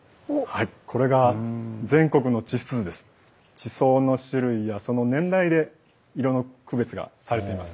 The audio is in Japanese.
地層の種類やその年代で色の区別がされています。